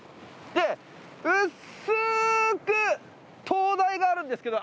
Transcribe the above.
で、薄く灯台があるんですけど